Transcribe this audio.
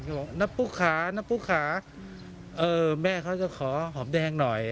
บอกนับปุ๊กขานับปุ๊กขาแม่เขาจะขอหอมแดงหน่อย